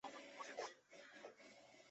恩卡纳西翁。